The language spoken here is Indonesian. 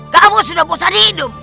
kamu sudah bosan hidup